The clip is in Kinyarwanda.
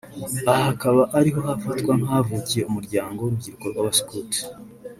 aha hakaba ariho hafatwa nk’ahavukiye umuryango w’urubyiruko rw’abasukuti (scout)